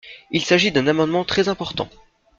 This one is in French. Il s’agit d’un amendement très important.